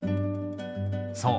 そう。